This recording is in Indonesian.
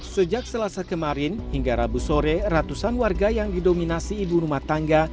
sejak selasa kemarin hingga rabu sore ratusan warga yang didominasi ibu rumah tangga